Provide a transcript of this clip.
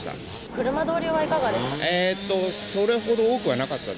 車通りはいかがでしたか。